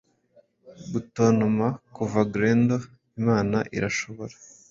Gutontoma kuva Grendel Imana irashobora